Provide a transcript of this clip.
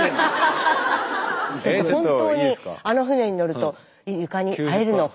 本当にあの船に乗るとイルカに会えるのか？